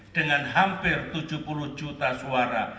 dengan hampir tujuh puluh juta suara